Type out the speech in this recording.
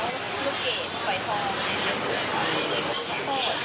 อันนี้คือเท่าไหร่